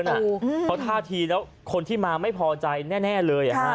เพราะท่าทีแล้วคนที่มาไม่พอใจแน่เลย